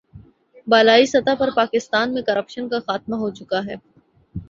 بالائی سطح پر پاکستان میں کرپشن کا خاتمہ ہو چکا ہے